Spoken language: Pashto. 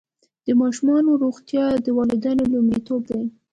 د ماشومانو روغتیا د والدینو لومړیتوب دی.